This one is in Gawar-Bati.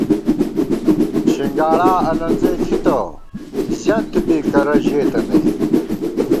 شِنگاڑا الَنزَئی تھِتہ ، زِیَنت بی کرہ ژېتہ نئ